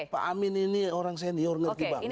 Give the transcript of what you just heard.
pak amin ini orang senior ngerti banget